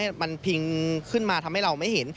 ใส่ขวดใหญ่มันพิงขึ้นมาทำให้เราไม่เห็น